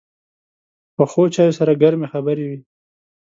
پخو چایو سره ګرمې خبرې وي